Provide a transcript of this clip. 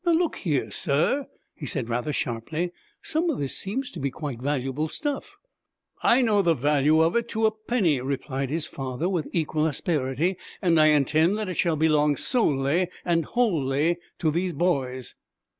'Now, look here, sir,' he said, rather sharply, 'some of this seems to be quite valuable stuff ' 'I know the value of it to a penny,' replied his father, with equal asperity, 'and I intend that it shall belong solely and wholly to these boys.'